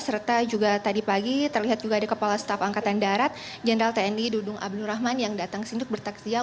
serta juga tadi pagi terlihat juga ada kepala staf angkatan darat jenderal tni dudung abdul rahman yang datang ke sini untuk bertaksiah